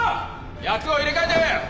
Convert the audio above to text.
役を入れ替えて。